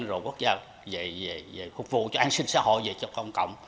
rồi quốc gia về phục vụ cho an sinh xã hội về cho công cộng